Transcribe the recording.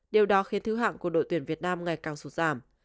điều đó khiến thứ hạng của đội tuyển việt nam ngày càng sụt giảm